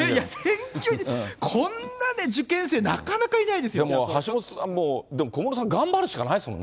こんな受験生、なかなかいな橋下さん、もう、小室さん、頑張るしかないですもんね。